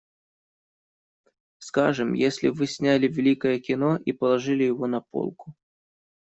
Скажем, если вы сняли великое кино и положили его на полку.